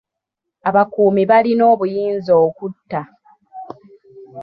Abakuumi balina obuyinza okutta.